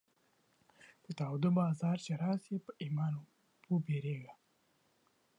پر تا وده بازار چې راسې ، پر ايمان وبيرېږه.